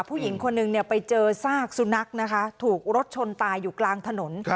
ผู้หญิงคนหนึ่งไปเจอซากสุนัขนะคะถูกรถชนตายอยู่กลางถนน